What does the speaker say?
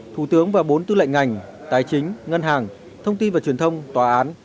thủ tướng và bốn tư lệnh ngành tài chính ngân hàng thông tin và truyền thông tòa án